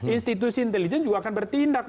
institusi intelijen juga akan bertindak